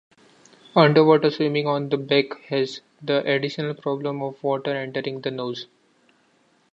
Underwater swimming on the back has the additional problem of water entering the nose.